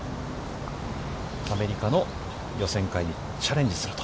アメリカの予選会にチャレンジすると。